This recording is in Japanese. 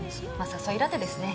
誘いラテですね。